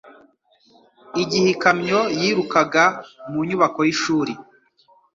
igihe ikamyo yirukaga mu nyubako y'ishuri